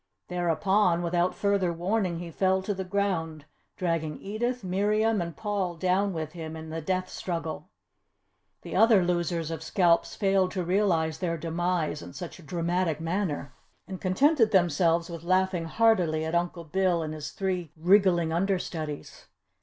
Thereupon, without further warning, he fell to the ground, dragging Edith, Miriam and Paul down with him in the death struggle. The other losers of scalps failed to realise their demise in such a dramatic manner, and contented themselves with laughing heartily at Uncle Bill and his three wriggling understudies.